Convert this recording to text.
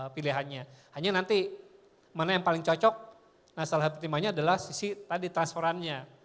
pilihannya hanya nanti mana yang paling cocok nah salah satu pertimbangannya adalah sisi tadi transferannya